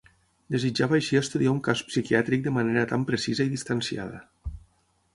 Desitjava així estudiar un cas psiquiàtric de manera tan precisa i distanciada.